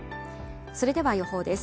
それでは予報です